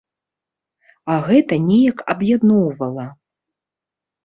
А гэта неяк аб'ядноўвала.